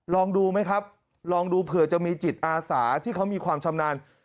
ลองดูไหมครับลองดูเผื่อจะมีจิตอาสาที่เขามีความชำนาญ